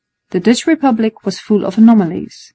The Dutch Republic was full of anomalies.